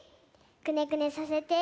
くねくねさせて。